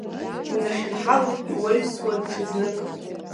Унахьынҳалоит иуаҩсуа ҽазнык.